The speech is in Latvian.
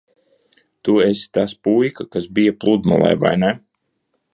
Tu esi tas puika, kas bija pludmalē, vai ne?